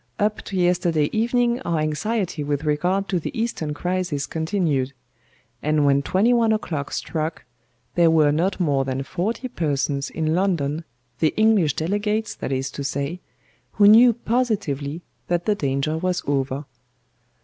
Up to yesterday evening our anxiety with regard to the Eastern crisis continued; and when twenty one o'clock struck there were not more than forty persons in London the English delegates, that is to say who knew positively that the danger was over.